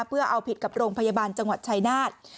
เพื่อเอาผิดกับโรงพยาบาลจังหวัดชายนาฏ